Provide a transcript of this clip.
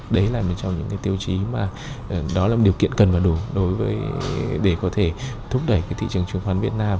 đấy là một trong những tiêu chí mà đó là một điều kiện cần và đủ để có thể thúc đẩy thị trường trường khoản việt nam